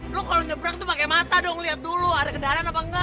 lu kalau nyebrang tuh pakai mata dong lihat dulu ada kendaraan apa enggak